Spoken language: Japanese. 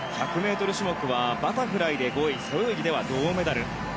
１００ｍ種目はバタフライで５位背泳ぎでは銅メダル。